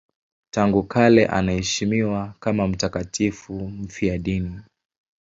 Tangu kale anaheshimiwa kama mtakatifu mfiadini.